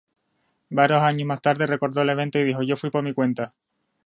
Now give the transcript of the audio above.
Varios años más tarde, recordó el evento y dijo:"Yo fui por mi cuenta.